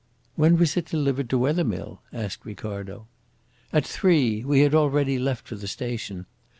"When was it delivered to Wethermill?" asked Ricardo. "At three. We had already left for the station.